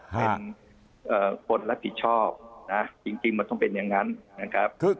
เป็นคนรับผิดชอบนะจริงมันต้องเป็นอย่างนั้นนะครับ